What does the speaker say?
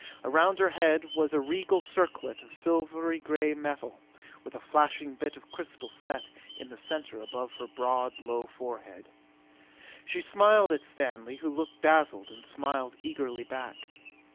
Around her head was a regal circlet of silvery gray metal with a flashing bit of crystal set in the center above her broad, low forehead. She smiled at Stanley who looked dazzled and smiled eagerly back.